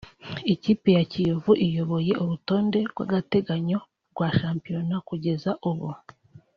Ikipe ya Kiyovu iyoboye urutonde rw’agateganyo rwa Shampiona kugeza ubu